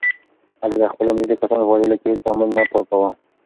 هغه د خپلو نږدې کسانو په وژلو کې هیڅ تامل نه کاوه.